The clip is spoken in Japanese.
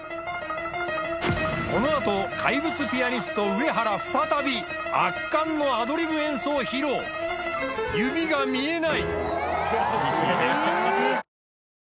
この後怪物ピアニスト上原再び圧巻のアドリブ演奏披露指が見えない！